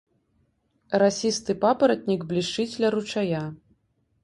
Расісты папаратнік блішчыць ля ручая.